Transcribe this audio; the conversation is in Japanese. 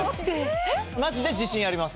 マジで自信あります。